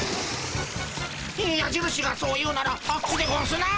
やじるしがそう言うならあっちでゴンスな。